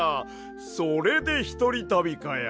それでひとりたびかや。